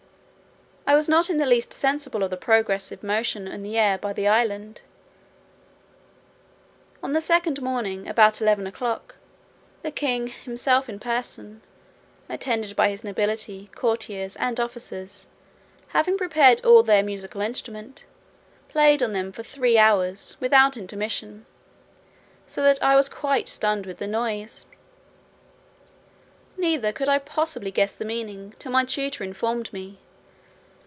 I was not in the least sensible of the progressive motion made in the air by the island. On the second morning, about eleven o'clock, the king himself in person, attended by his nobility, courtiers, and officers, having prepared all their musical instruments, played on them for three hours without intermission, so that I was quite stunned with the noise; neither could I possibly guess the meaning, till my tutor informed me.